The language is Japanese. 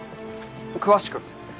詳しく。